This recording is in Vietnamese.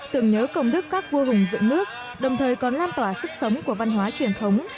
tưởng nhớ công đức các vua hùng dựng nước đồng thời còn lan tỏa sức sống của văn hóa truyền thống